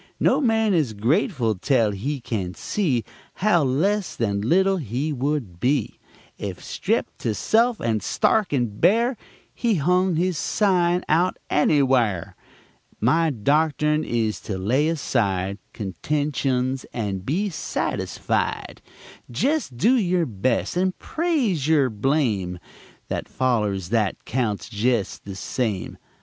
No man is grate tel he can see How less than little he would be Ef stripped to self, and stark and bare He hung his sign out anywhare. My doctern is to lay aside Contensions, and be satisfied: Jest do your best, and praise er blame That follers that, counts jest the same.